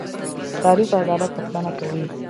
تاریخ د عدالت غوښتنه کوي.